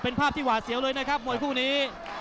เป็นภาพที่หวาดเสียวเลยนะครับมวยคู่นี้